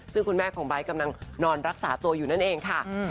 ซึ่งคุณแม่ของไบท์กำลังนอนรักษาตัวอยู่นั่นเองค่ะ